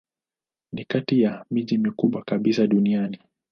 Ni kati ya miji mikubwa kabisa duniani.